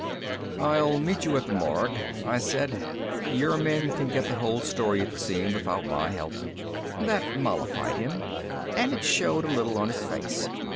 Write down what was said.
"I'll meet you at the morgue," I said. "Your men can get the whole story at the scene without my help." That mollified him, and it showed a little on his face.